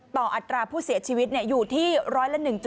ต่ออัตราผู้เสียชีวิตอยู่ที่๑๐๐ละ๑๗